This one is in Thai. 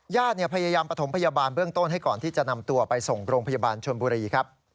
ญาติพยายามประถมพยาบาลเบื้องต้นให้ก่อนที่จะนำตัวไปส่งโรงพยาบาลชนบุรีครับ